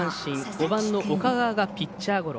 ５番の岡川がピッチャーゴロ。